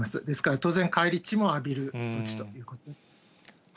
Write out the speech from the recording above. ですから当然、返り血も浴びる措置ということ。